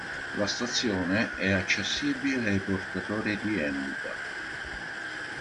La stazione è accessibile ai portatori di handicap.